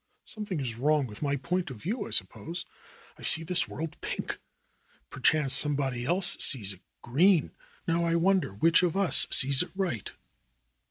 '^Something is wrong with my point of view, I suppose. I see this world pink; perchance somebody else sees it green. How I wonder which of us sees it right.